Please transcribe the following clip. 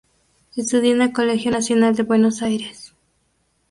Estudió en el Colegio Nacional de Buenos Aires.